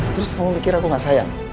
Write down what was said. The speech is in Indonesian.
terus kamu mikir aku gak sayang